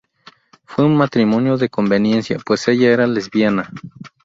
Fue un matrimonio de conveniencia, pues ella era lesbiana.